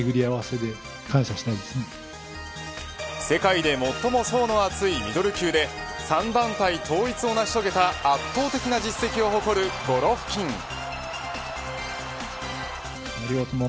世界で最も層の厚いミドル級で３団体統一を成し遂げた圧倒的な実績を誇るゴロフキン。